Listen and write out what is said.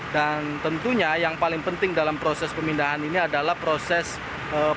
dan tentunya yang paling penting dalam proses pemindahan ini adalah proses pemindahan